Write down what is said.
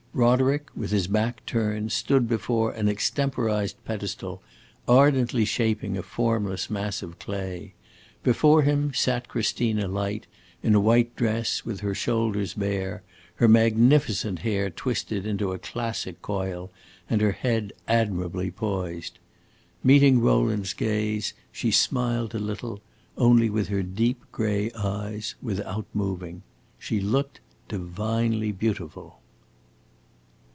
Roderick, with his back turned, stood before an extemporized pedestal, ardently shaping a formless mass of clay. Before him sat Christina Light, in a white dress, with her shoulders bare, her magnificent hair twisted into a classic coil, and her head admirably poised. Meeting Rowland's gaze, she smiled a little, only with her deep gray eyes, without moving. She looked divinely beautiful.